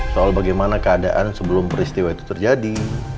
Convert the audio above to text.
soal bagaimana keadaan sebelum peristiwa itu terjadi